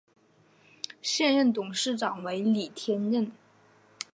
现任董事长为李天任。